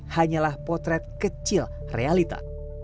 hanyalah potret kecil realita